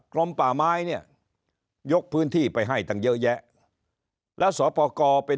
ลมป่าไม้เนี่ยยกพื้นที่ไปให้ตั้งเยอะแยะแล้วสปกรเป็น